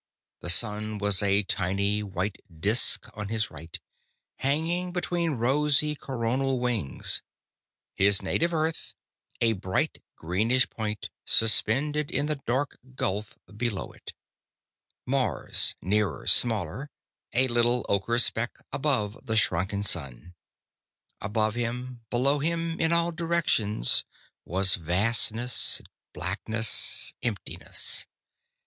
The sun was a tiny white disk on his right, hanging between rosy coronal wings; his native Earth, a bright greenish point suspended in the dark gulf below it; Mars, nearer, smaller, a little ocher speck above the shrunken sun. Above him, below him, in all directions was vastness, blackness, emptiness.